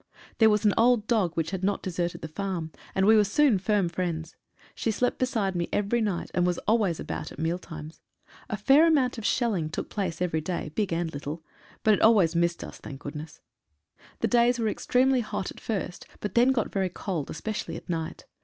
There was an old dog which had not deserted the farm, and we were soon firm friends. She slept beside me every night, and was always about at meal times. A fair amount of shelling took place every day — big and little. But it always missed us, thank goodness. The 79 MEN AND MACHINE GUNS. days were extremely hot at first, but then got very cold, especially at night.